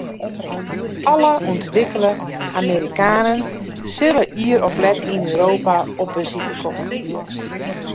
Alle ûntwikkele Amerikanen sille ier of let yn Europa op besite komme.